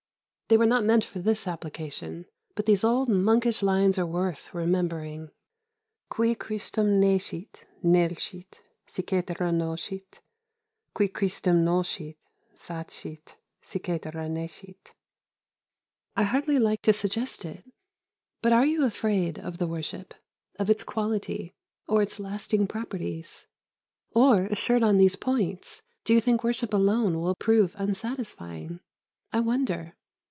They were not meant for this application, but these old Monkish lines are worth remembering: "Qui Christum nescit, nil scit, si cætera noscit. Qui Christum noscit, sat scit, si cætera nescit." I hardly like to suggest it, but are you afraid of the "worship," of its quality, or its lasting properties? Or, assured on these points, do you think worship alone will prove unsatisfying? I wonder.